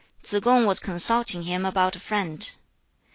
Tsz kung was consulting him about a friend.